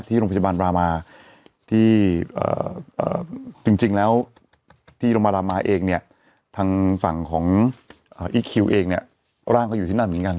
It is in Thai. ที่โรงพยาบาลรามาที่จริงแล้วที่โรงพยาบาลรามาเองเนี่ยทางฝั่งของอีคคิวเองเนี่ยร่างก็อยู่ที่นั่นเหมือนกัน